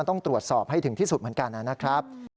ต้องตรวจสอบให้ถึงที่สุดเหมือนกันนะครับ